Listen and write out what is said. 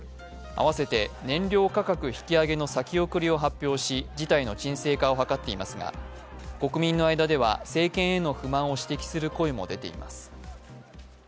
あわせて燃料価格引き上げの先送りを発表し、事態の鎮静化を図っていますが国民の間では政権への不満を指摘する声も出ています。